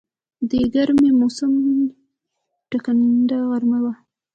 د ګرمی موسم کې ټکنده غرمه وه.